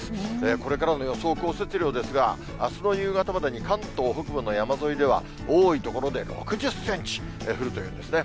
これからの予想降雪量ですが、あすの夕方までに、関東北部の山沿いでは、多い所で６０センチ、降るというんですね。